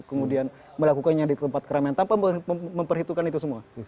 kemudian melakukannya di tempat keramaian tanpa memperhitungkan itu semua